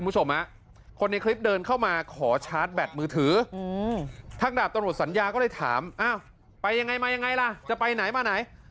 ตำรวจสัญญาก็เลยถามอ้าวไปยังไงมายังไงล่ะจะไปไหนมาไหน